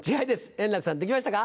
円楽さんできましたか？